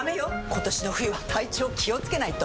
今年の冬は体調気をつけないと！